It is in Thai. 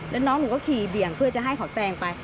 แล้วน้องหนูก็ขี่เบี่ยงเพื่อจะให้เขาแซงไป